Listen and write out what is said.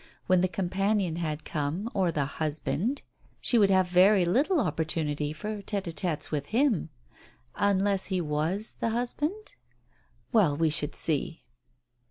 When the com panion had come, or the husband, she would have very little opportunity for tete & t$tes with him. Unless he was that husband ? Well, we should see